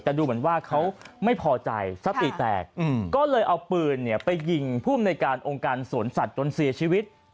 แต่ดูเหมือนว่าเขาไม่พอใจสติแตกก็เลยเอาปืนไปยิงภูมิในการองค์การสวนสัตว์จนเสียชีวิต